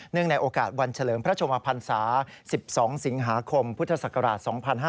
ในโอกาสวันเฉลิมพระชมพันศา๑๒สิงหาคมพุทธศักราช๒๕๕๙